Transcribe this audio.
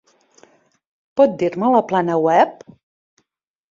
Pot dir-me la plana web?